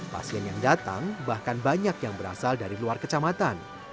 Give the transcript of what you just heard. pasien yang datang bahkan banyak yang berasal dari luar kecamatan